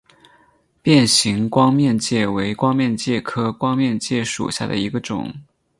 变形光面介为光面介科光面介属下的一个种。